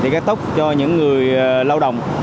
cắt tóc cho những người lao động